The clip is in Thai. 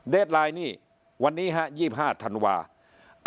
เดทไลน์นี้วันนี้๒๕ธันวาธิ์